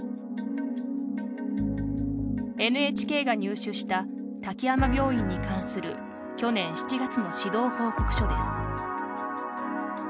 ＮＨＫが入手した滝山病院に関する去年７月の指導報告書です。